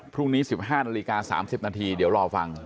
พรุ่งนี้๑๕นาฬิกา๓๐นาทีเดี๋ยวรอฟัง